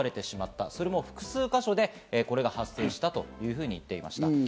でも複数か所でこれが発生したというふうに言っていました。